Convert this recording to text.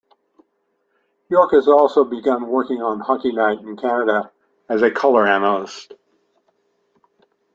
York also has begun working on Hockey Night in Canada as a colour analyst.